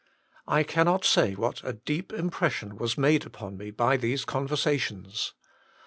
I cannot say what a deep impression was made upon me by these conversations.